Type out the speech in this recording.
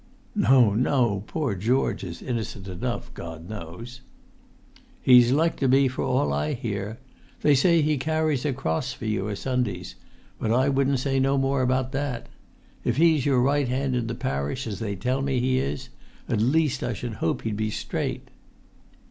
"No, no; poor George is innocent enough, God knows!" "He's like to be, for all I hear. They say he carries a cross for you o' Sundays—but I won't say no more about that. If he's your right hand in the parish, as they tell me he is, at least I should hope he'd be straight."